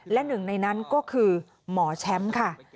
และหนึ่งในนั้นก็คือหมอแชมป์ค่ะ